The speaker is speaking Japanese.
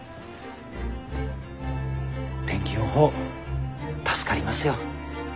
天気予報助かりますよ。